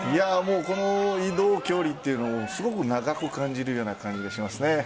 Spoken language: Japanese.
この移動距離というのはすごく長く感じるような感じしますね。